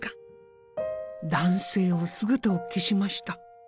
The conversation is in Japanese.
男性は姿を消しました。